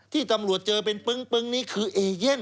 ที่ตำรวจเจอเป็นปึ้งนี่คือเอเย่น